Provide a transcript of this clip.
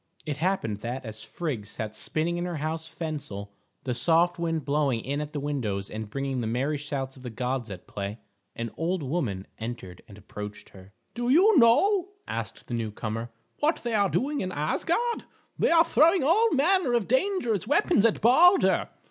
It happened that as Frigg sat spinning in her house Fensal, the soft wind blowing in at the windows and bringing the merry shouts of the gods at play, an old woman entered and approached her. "Do you know," asked the newcomer, "what they are doing in Asgard? They are throwing all manner of dangerous weapons at Balder.